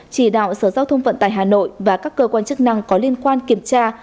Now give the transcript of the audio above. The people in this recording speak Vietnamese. chỉ đạo sở giao thông vận tải hà nội và các cơ quan chức năng có liên quan kiểm tra